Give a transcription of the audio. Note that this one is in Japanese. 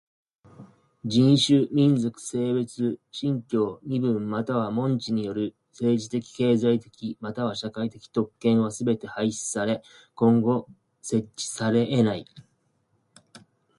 人種、民族、性別、信教、身分または門地による政治的経済的または社会的特権はすべて廃止され今後設置されえない。